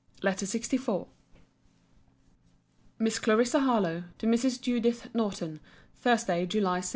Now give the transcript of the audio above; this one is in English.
LETTER LXIV MISS CLARISSA HARLOWE, TO MRS. JUDITH NORTON THURSDAY, JULY 6.